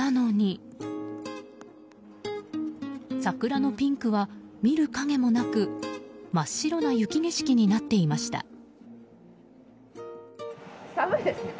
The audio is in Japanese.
桜のピンクは見る影もなく真っ白な雪景色になっていました。